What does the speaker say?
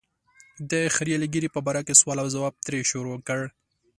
د خرییلې ږیرې په باره کې سوال او ځواب ترې شروع کړ.